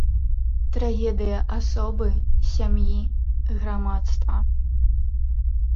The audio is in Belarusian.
Трагедыя асобы, сям'і, грамадства.